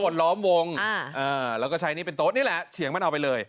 ล้อมวงแล้วก็ใช้นี่เป็นโต๊ะนี่แหละเฉียงมันเอาไปเลย